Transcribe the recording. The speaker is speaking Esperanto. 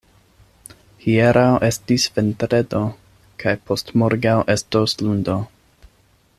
Hieraŭ estis vendredo, kaj post-morgaŭ estos lundo.